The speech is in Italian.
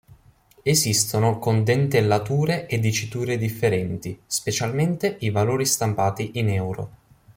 Esistono con dentellature e diciture differenti, specialmente i valori stampati in euro.